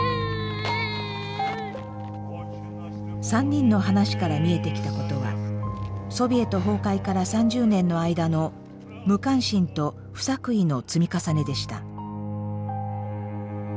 ３人の話から見えてきたことはソビエト崩壊から３０年の間の無関心と不作為の積み重ねでした。